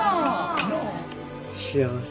幸せ。